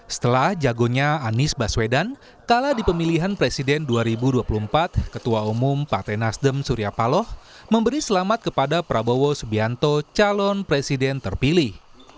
setelah jagonya anies baswedan kalah di pemilihan presiden dua ribu dua puluh empat ketua umum partai nasdem surya paloh memberi selamat kepada prabowo subianto calon presiden terpilih